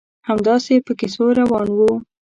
همداسې په کیسو روان وو.